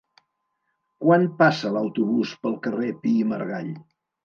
Quan passa l'autobús pel carrer Pi i Margall?